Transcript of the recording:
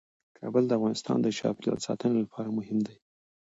کابل د افغانستان د چاپیریال ساتنې لپاره مهم دي.